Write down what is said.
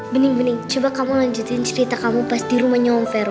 bening bening coba kamu lanjutin cerita kamu pas di rumahnya om ferro